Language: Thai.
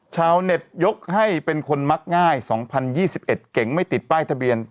ชาวเน็ตยกให้เป็นคนมักง่าย๒๐๒๑เก่งไม่ติดป้ายทะเบียน